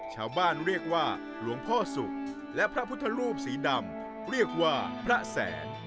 ชาวบ้านเรียกว่าหลวงพ่อสุกและพระพุทธรูปสีดำเรียกว่าพระแสน